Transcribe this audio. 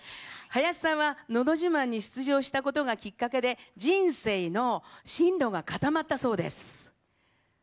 林さんは「のど自慢」に出場したことがきっかけで人生の進路が固まったそうです。